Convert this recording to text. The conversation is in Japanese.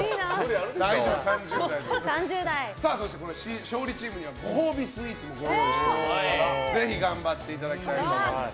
そして勝利チームにはご褒美スイーツもご用意していますのでぜひ頑張っていただきたいと思います。